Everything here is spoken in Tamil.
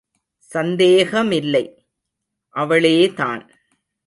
சந்தேகமில்லை... அவளே தான்.